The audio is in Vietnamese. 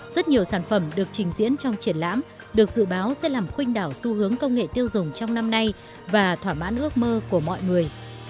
rất nhiều sản phẩm được trình diễn trong triển lãm được dự báo sẽ làm khuynh đảo xu hướng công nghệ tiêu dùng trong năm nay và thỏa mãn ước mơ của mọi người